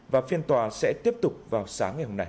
và phiên tòa sẽ tiếp tục vào sáng ngày hôm nay